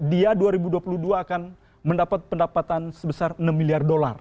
dia dua ribu dua puluh dua akan mendapat pendapatan sebesar enam miliar dolar